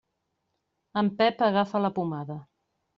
En Pep agafa la pomada.